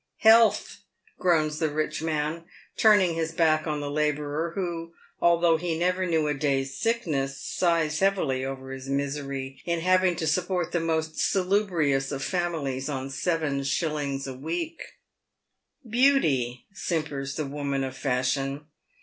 " Health," groans the rich man, turning his back on the labourer, who, although he never knew a day's sickness, sighs heavily over his misery in having to support the most salubrious of families on seven shillings a week. " Beauty," simpers the woman of fashion.